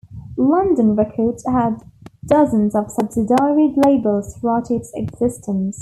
London Records had dozens of subsidiary labels throughout its existence.